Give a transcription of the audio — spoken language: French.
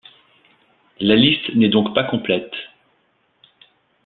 La liste n'est donc pas complète.